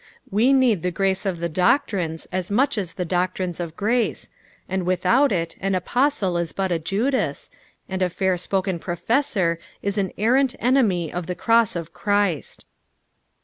We need the grace of the doctrines as much 09 the doctrines of grace, and PSALU THE FIFTIETH. 43S without it an apostle is but a Judas, and a fur spoken jirofeBsor ia an arrant encmj of the cross of Christ.